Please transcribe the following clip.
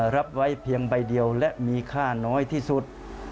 รับไว้เพียงใบเดียวและมีค่าน้อยที่สุด